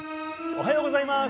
おはようございます。